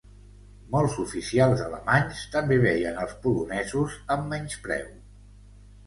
Molts oficials alemanys també veien als polonesos amb menyspreu.